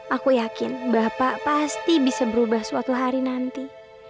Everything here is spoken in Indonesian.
aku yakin bapak pasti bisa berubah suatu hari nanti